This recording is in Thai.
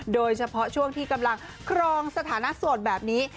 โดยเฉพาะช่วงที่กำลังครองสถานะโสดแบบนี้